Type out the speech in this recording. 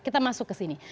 kita masuk ke sini